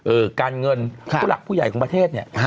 เอ่อการเงินครับที่หลักผู้ใหญ่ของประเทศเนี่ยนะฮะ